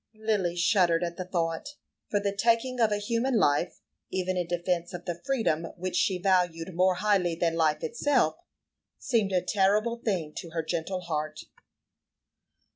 Lily shuddered at the thought; for the taking of a human life, even in defence of the freedom which she valued more highly than life itself, seemed a terrible thing to her gentle heart.